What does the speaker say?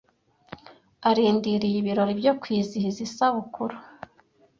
Arindiriye ibirori byo kwizihiza isabukuru.